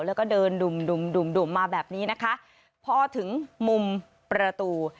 แล้วก็เดินดุ่มดุ่มดุ่มดุ่มมาแบบนี้นะคะพอถึงมุมประตู